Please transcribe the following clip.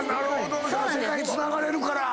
世界つながれるから。